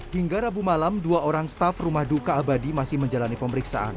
hingga rabu malam dua orang staf rumah duka abadi masih menjalani pemeriksaan